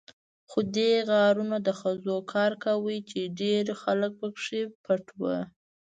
خو دې غارونو د خزو کار کاوه، چې ډېر خلک پکې پټ وو.